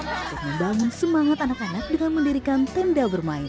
untuk membangun semangat anak anak dengan mendirikan tenda bermain